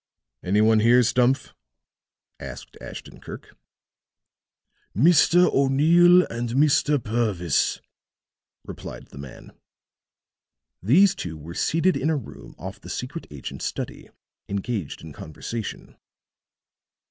"Any one here, Stumph?" asked Ashton Kirk. "Mr. O'Neill and Mr. Purvis," replied the man. These two were seated in a room off the secret agent's study, engaged in conversation.